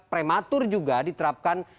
prematur juga diterapkan